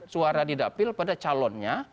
suara didapil pada calonnya